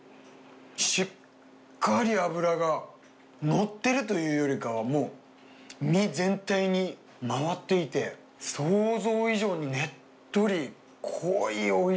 しっかり脂が乗っているというよりかは身全体にまわっていて想像以上にねっとり濃いおいしさですね。